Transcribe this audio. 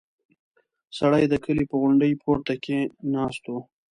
سړی د کلي په غونډۍ پورته کې ناست و.